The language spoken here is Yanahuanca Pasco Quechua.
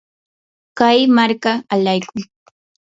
kay marka alaykun.